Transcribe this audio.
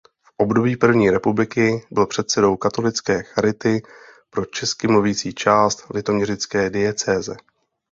V období první republiky byl předsedou Katolické Charity pro česky mluvící část litoměřické diecéze.